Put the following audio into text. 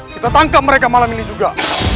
kita tangkap mereka malam ini juga